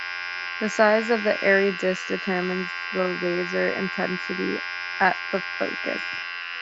The size of the Airy disk determines the laser intensity at the focus.